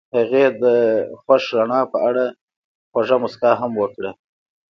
هغې د خوښ رڼا په اړه خوږه موسکا هم وکړه.